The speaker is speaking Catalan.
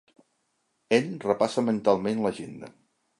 Ell repassa mentalment l'agenda.